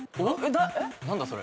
何だそれ？